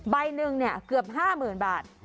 ใบหนึ่งเนี่ยเกือบ๕๐๐๐๐บาท